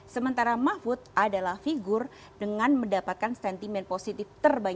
sementara mahfud adalah figur dengan mendapatkan sentimen positif terbaik